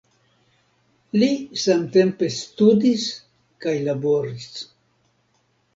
Li samtempe studis kaj laboris.